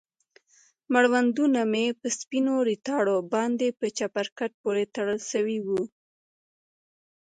مړوندونه مې په سپينو ريتاړو باندې په چپرکټ پورې تړل سوي وو.